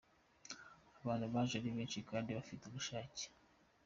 Abantu baje ari benshi kandi bafite ubushake.